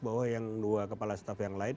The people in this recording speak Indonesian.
bahwa yang dua kepala staff yang lain